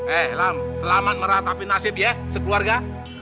eh lam selamat meratapi nasib ya sekeluarga